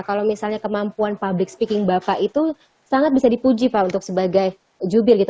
kalau misalnya kemampuan public speaking bapak itu sangat bisa dipuji pak untuk sebagai jubir gitu